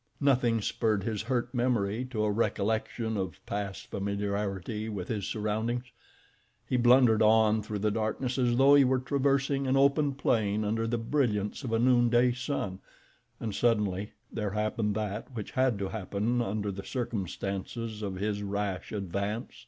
Nothing spurred his hurt memory to a recollection of past familiarity with his surroundings. He blundered on through the darkness as though he were traversing an open plain under the brilliance of a noonday sun, and suddenly there happened that which had to happen under the circumstances of his rash advance.